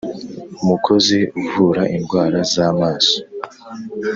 Umukozi uvura indwara z’ amaso